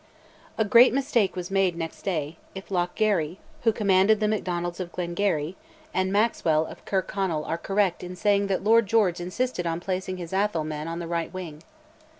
A great mistake was made next day, if Lochgarry, who commanded the Macdonalds of Glengarry, and Maxwell of Kirkconnel are correct in saying that Lord George insisted on placing his Atholl men on the right wing.